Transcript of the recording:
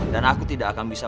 aku tidak akan bisa